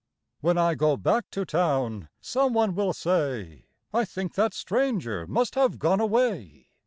When I go back to town some one will say: 'I think that stranger must have gone away.'